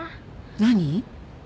何？